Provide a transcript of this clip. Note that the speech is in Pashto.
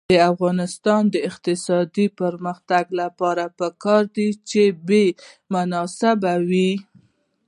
د افغانستان د اقتصادي پرمختګ لپاره پکار ده چې بیې مناسبې وي.